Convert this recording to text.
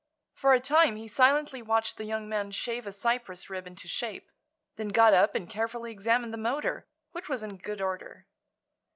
For a time he silently watched the young man shave a Cyprus rib into shape; then got up and carefully examined the motor, which was in good order.